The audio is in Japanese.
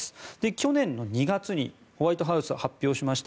去年の２月にホワイトハウスが発表しました。